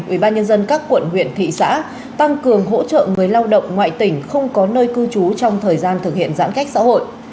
ủy ban nhân dân các quận huyện thị xã tăng cường hỗ trợ người lao động ngoại tỉnh không có nơi cư trú trong thời gian thực hiện giãn cách xã hội